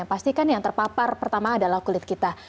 pastikan yang terpapar pertama adalah kulit kita